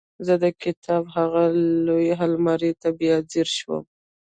زه د کتابونو هغې لویې المارۍ ته بیا ځیر شوم